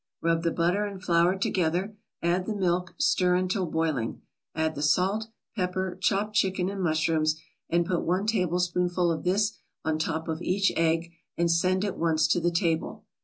Rub the butter and flour together, add the milk, stir until boiling, add the salt, pepper, chopped chicken and mushrooms, and put one tablespoonful of this on top of each egg and send at once to the table.